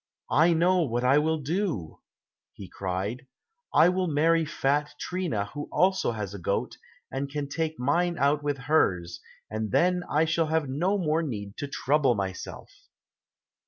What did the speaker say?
"I know what I will do," he cried, "I will marry fat Trina who has also a goat, and can take mine out with hers, and then I shall have no more need to trouble myself."